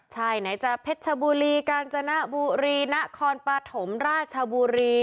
ใช่ไหนจะเพชรชบุรีกาญจนบุรีนครปฐมราชบุรี